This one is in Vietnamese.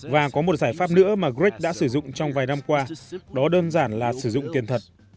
và có một giải pháp nữa mà greg đã sử dụng trong vài năm qua đó đơn giản là sử dụng tiền thật